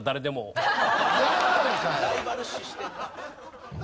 ライバル視してるな。